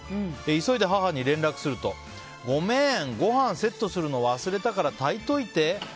急いで母に連絡するとごめんご飯セットするの忘れたから炊いといて。